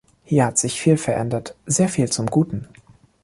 Hier hat sich viel verändert, sehr viel zum Guten.